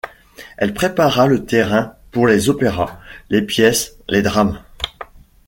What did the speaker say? Elle prépara le terrain pour les opéras, les pièces, les drames.